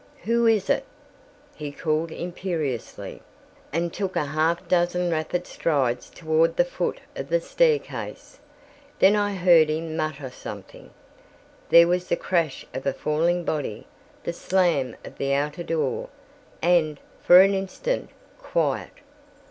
"Who is it?" he called imperiously, and took a half dozen rapid strides toward the foot of the staircase. Then I heard him mutter something; there was the crash of a falling body, the slam of the outer door, and, for an instant, quiet.